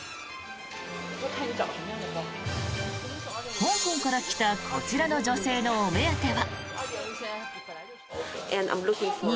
香港から来たこちらの女性のお目当ては。